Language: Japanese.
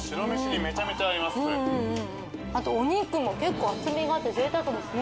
あとお肉も結構厚みがあって贅沢ですね。